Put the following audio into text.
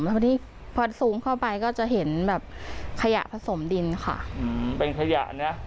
พอดีพอซูมเข้าไปก็จะเห็นแบบขยะผสมดินค่ะอืมเป็นขยะเนี้ย